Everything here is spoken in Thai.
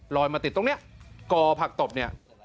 มาติดตรงนี้กอผักตบเนี่ย